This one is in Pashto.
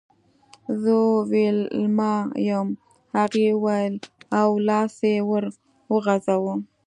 زه ویلما یم هغې وویل او لاس یې ور وغزاوه